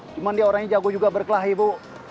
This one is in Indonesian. cuman dia orangnya jago juga berkelahi bu